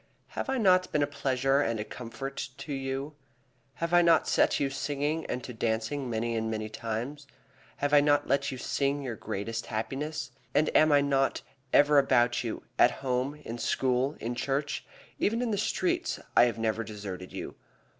"Have I not been a pleasure and a comfort to you? Have I not set you to singing and to dancing many and many times? Have I not let you sing your greatest happiness? And am I not ever about you, at home, in school, in church? even in the streets I have never deserted you.